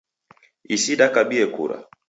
Isi dakabie kura